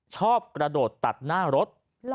ชอบกระโดดตัดหน้ารถ